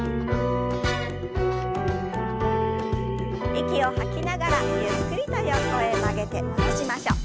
息を吐きながらゆっくりと横へ曲げて戻しましょう。